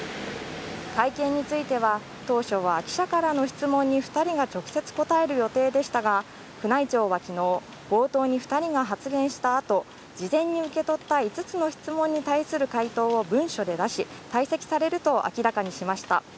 会見については、当初は記者からの質問に２人が直接答える予定でしたが、宮内庁は昨日、冒頭に２人が発言したあと、事前に受け取った５つの質問に対する回答を文書で出し退席されると明らかにされました。